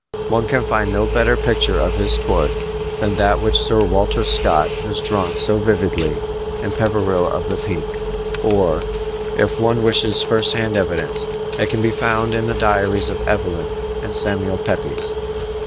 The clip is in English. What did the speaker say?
One can find no better picture of his court than that which Sir Walter Scott has drawn so vividly in Peveril of the Peak; or, if one wishes first hand evidence, it can be found in the diaries of Evelyn and of Samuel Pepys.